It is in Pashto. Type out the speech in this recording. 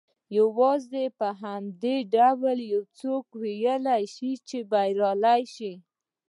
يوازې په همدې ډول يو څوک کولای شي چې بريالی شي.